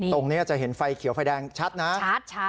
ตรงนี้จะเห็นไฟเขียวไฟแดงชัดนะชัด